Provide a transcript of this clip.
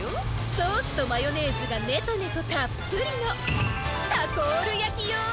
ソースとマヨネーズがねとねとたっぷりのタコールやきよ！